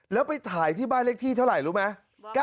แล้วไปถ่ายที่บ้านเลขที่เท่าไหร่รู้ไหม